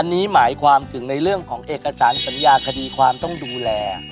อันนี้หมายความถึงในเรื่องของเอกสารสัญญาคดีความต้องดูแล